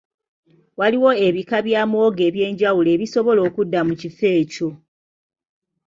Waliwo ebika bya muwogo eby'enjawulo ebisobola okudda mu kifo ekyo